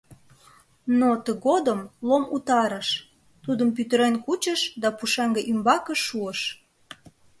Но тыгодым Лом утарыш: тудым пӱтырен кучыш да пушеҥге ӱмбаке шуыш.